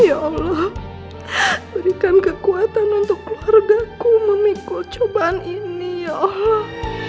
ya allah berikan kekuatan untuk keluargaku memikul cobaan ini ya allah